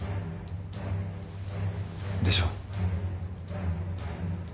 でしょ？